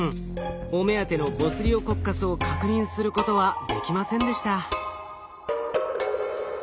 お目当てのボツリオコッカスを確認することはできませんでした。